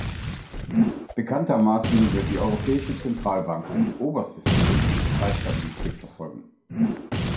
Bekanntermaßen wird die Europäische Zentralbank als oberstes Ziel Preisstabilität verfolgen.